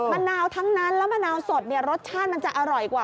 มะนาวทั้งนั้นแล้วมะนาวสดเนี่ยรสชาติมันจะอร่อยกว่า